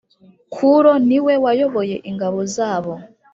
kuro ni we wayoboye ingabo zabo